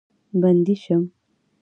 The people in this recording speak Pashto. بندي شم.